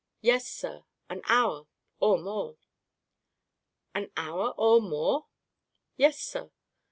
"Yes, sir; an hour—or more." "An hour, or more?" "Yes, sir."